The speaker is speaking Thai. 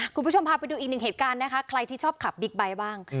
คุณผู้ชมพาไปดูอีกหนึ่งเหตุการณ์นะคะใครที่ชอบขับบิ๊กไบท์บ้าง